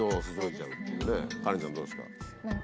カレンちゃんどうですか？